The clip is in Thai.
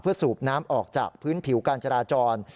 สูบน้ำออกจากพื้นผิวการจราจร